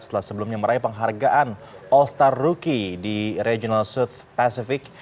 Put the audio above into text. setelah sebelumnya meraih penghargaan all star rookie di regional suit pacific